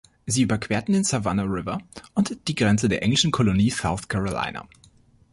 Sie überquerten den Savannah River und die Grenze der englischen Kolonie South Carolina.